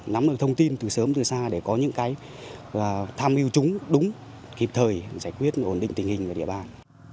nắm được thông tin từ sớm từ xa để có những cái tham yêu chúng đúng kịp thời giải quyết ổn định tình hình ở địa bàn